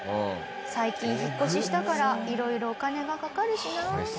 最近引っ越ししたから色々お金がかかるしな。